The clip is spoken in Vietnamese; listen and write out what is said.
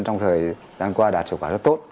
trong thời gian qua đạt hiệu quả rất tốt